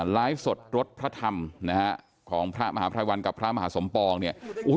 ไลฟ์สดรสพระธรรมของพระมหาพระวัลกับพระมหาสมปอง